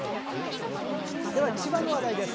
では千葉の話題です。